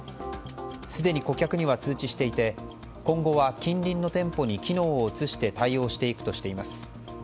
すでに顧客には通知していて今後は近隣の店舗に機能を移して対応していくとしています。